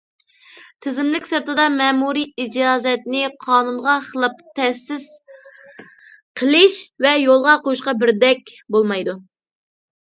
تىزىملىك سىرتىدا مەمۇرىي ئىجازەتنى قانۇنغا خىلاپ تەسىس قىلىش ۋە يولغا قويۇشقا بىردەك بولمايدۇ.